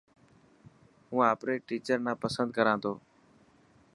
هون آپري ٽيچر نا پسند ڪران ٿو.